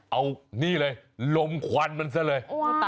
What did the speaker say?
เอานี่เลยลมควันมันซะเลย